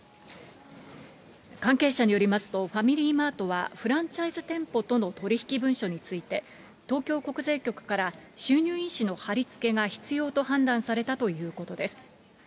関係者によりますと、ファミリーマートは、フランチャイズ店舗との取り引き文書について、東京国税局から収入印紙の貼り付けが必要と判断されたということです。